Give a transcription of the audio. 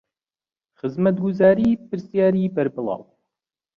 خزمەتگوزارى پرسیارى بەربڵاو